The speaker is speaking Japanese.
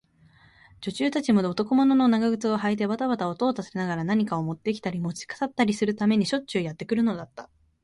女中たちも、男物の長靴をはいてばたばた音を立てながら、何かをもってきたり、もち去ったりするためにしょっちゅうやってくるのだった。